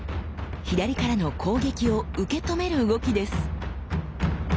左からの攻撃を受け止める動きです。